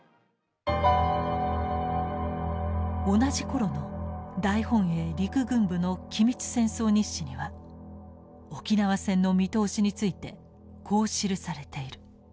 同じ頃の大本営陸軍部の機密戦争日誌には沖縄戦の見通しについてこう記されている。